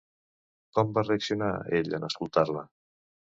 Com va reaccionar ell en escoltar-la?